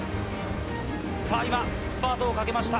さあ今、スパートをかけました。